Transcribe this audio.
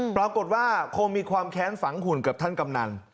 ปรากฏว่าคงมีความแค้นฝังหุ่นกับท่านกำนัน